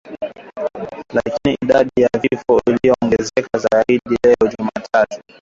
Lakini idadi ya vifo iliongezeka zaidi leo Jumatatu